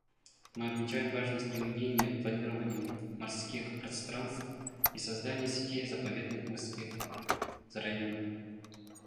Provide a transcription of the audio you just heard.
Мы отмечаем важность применения планирования морских пространств и создания сетей заповедных морских районов.